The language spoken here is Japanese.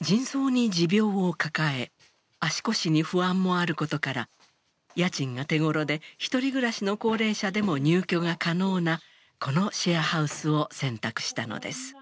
腎臓に持病を抱え足腰に不安もあることから家賃が手ごろで一人暮らしの高齢者でも入居が可能なこのシェアハウスを選択したのです。